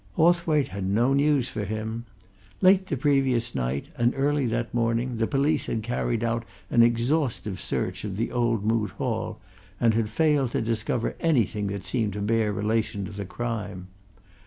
Hawthwaite had no news for him. Late the previous night, and early that morning, the police had carried out an exhaustive search of the old Moot Hall, and had failed to discover anything that seemed to bear relation to the crime.